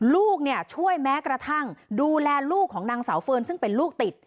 ลูกช่วยแม้กระทั่งดูแลลูกของนางสาวเฟิร์นซึ่งเป็นลูกติด